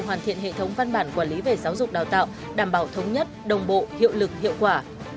hoàn thiện hệ thống văn bản quản lý về giáo dục đào tạo đảm bảo thống nhất đồng bộ hiệu lực hiệu quả